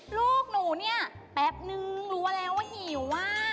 ลูกหนูเนี่ยแป๊บนึงรู้แล้วว่าหิวว่า